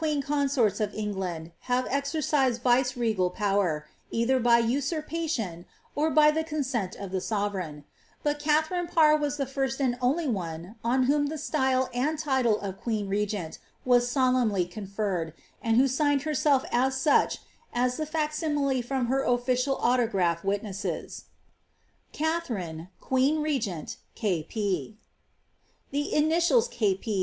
— 4 38 XATHASINK PARK Several of the queen consorts of England hare ezereised Tice regd power, either by usurpation, or by the consent of the sovereign ; but Katharine Parr was the first and only one on whom the style and title of queen regent was solemnly conferred, and who signed herself ai such, as the facsimile from her official autograph witnesses : ^lijjxiin^^Si^^^^J^r^ w The initials K. P.